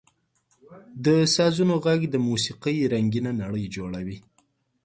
• د سازونو ږغ د موسیقۍ رنګینه نړۍ جوړوي.